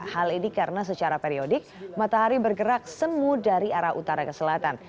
hal ini karena secara periodik matahari bergerak semu dari arah utara ke selatan